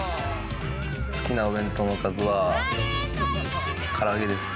好きなお弁当のおかずはから揚です。